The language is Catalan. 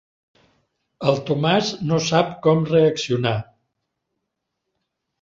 El Tomàs no sap com reaccionar.